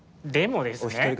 でもですね。